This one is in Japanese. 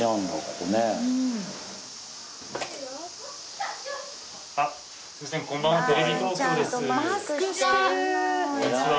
こんにちは！